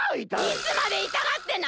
いつまでいたがってんの！